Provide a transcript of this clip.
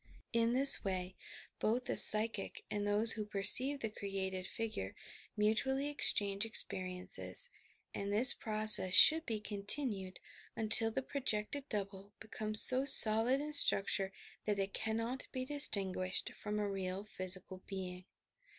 In this way both the psychic and those who perceive the created figure mutually ex change experiences; and this process should be continued until the projected double becomes so solid in structure that it cannot be distinguished from a real physical being.